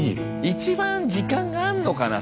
一番時間があんのかな